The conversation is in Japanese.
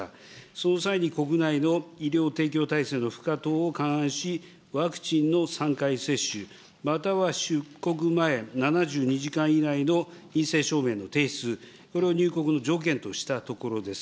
その際に国内の医療提供体制の負荷等を勘案し、ワクチンの３回接種、または出国前７２時間以内の陰性証明の提出、これを入国の条件としたところです。